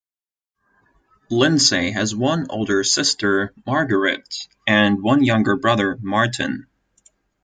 Lindsay has one older sister Margaret and one younger brother Martin.